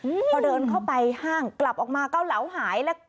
พอเดินเข้าไปห้างกลับออกมาเกาเหลาหายแล้ว